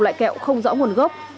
loại kẹo không rõ nguồn gốc